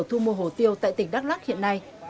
thu mua hồ tiêu tại tỉnh đắk lắc hiện nay